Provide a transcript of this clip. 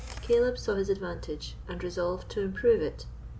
Caleb saw his advantage, and resolved to improve it.